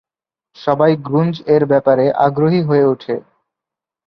সবাই গ্রুঞ্জ-এর ব্যাপারে আগ্রহী হয়ে ওঠে।